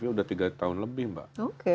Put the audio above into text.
sudah tiga tahun lebih mbak